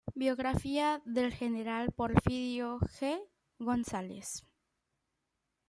Biografía del general Porfirio G. González